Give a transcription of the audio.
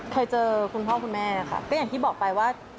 เคยเจอคุณพ่อคุณแม่ค่ะก็อย่างที่บอกไปว่า